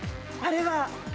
あれは。